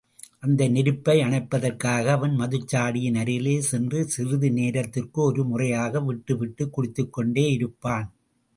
அந்த நெருப்பை அணைப்பதற்காக அவன் மதுச்சாடியின் அருகிலே சென்று சிறிது நேரத்திற்கொருமுறையாக விட்டுவிட்டுக் குடித்துகொண்டேயிருப்பான்.